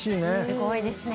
すごいですね。